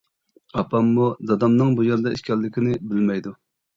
ئاپاممۇ دادامنىڭ بۇ يەردە ئىكەنلىكىنى بىلمەيدۇ.